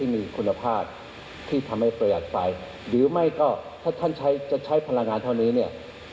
มีสองวิธี